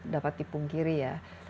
dapat dipungkiri ya